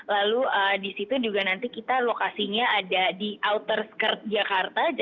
lalu di situ juga nanti kita lokasinya ada di outers curt jakarta